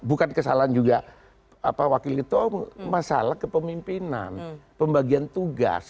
bukan kesalahan juga wakil ketua masalah kepemimpinan pembagian tugas